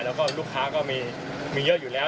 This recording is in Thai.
แล้วก็ลูกค้าก็มีเยอะอยู่แล้ว